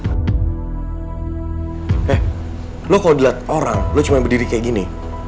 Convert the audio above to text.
eh lo kalau dilihat orang lo cuma berdiri kayak gini